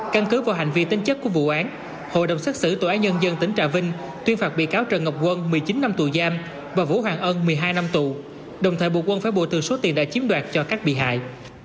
căn cứ vào hành vi tính chất của vụ án hội đồng xét xử tòa án nhân dân tỉnh trà vinh tuyên phạt bị cáo trần ngọc quân một mươi chín năm tù giam và vũ hoàng ân một mươi hai năm tù đồng thời buộc quân phải bồi từ số tiền đã chiếm đoạt cho các bị hại